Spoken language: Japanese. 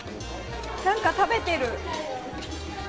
なんか食べてる。